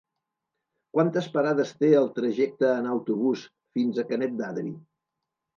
Quantes parades té el trajecte en autobús fins a Canet d'Adri?